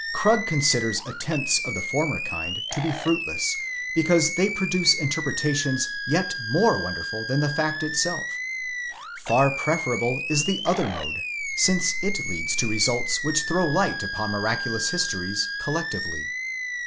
Krug considers attempts of the former kind to be fruitless, because they produce interpreta tions yet more wonderful than the fact itself ; far preferable is the other mode, since it leads to results which throw light upon miraculous histories collectively.